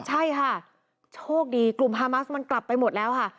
ใช่ค่ะโชคดีกลุ่มฮามัสมันกลับไปหมดแล้วค่ะ